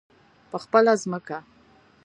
په خپله ځمکه.